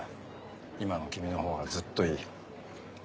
今の君のほうがずっといい。